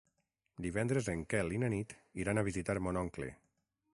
Divendres en Quel i na Nit iran a visitar mon oncle.